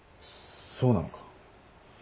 そうなのか？